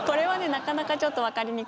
なかなかちょっと分かりにくい。